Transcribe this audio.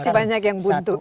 masih banyak yang buntu